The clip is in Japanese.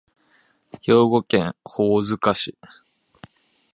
兵庫県宝塚市